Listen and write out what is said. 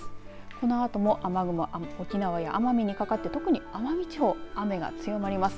このあとも雨雲沖縄や奄美にかかって特に奄美地方、雨が強まります。